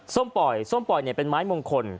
ส้มป่อยแสวนป่อยเป็นไม้มงคล